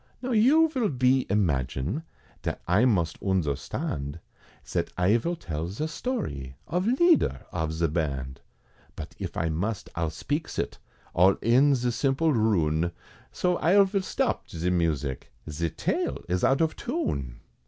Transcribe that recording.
Now you vill be imagine, Zat I must oondherstand, Zat I vill tell ze story Of leader of ze band, But if I must, I'll speaks it, All in ze simple rune, So I vill stop ze music, Ze tale is out of tune!